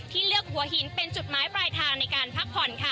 เลือกหัวหินเป็นจุดหมายปลายทางในการพักผ่อนค่ะ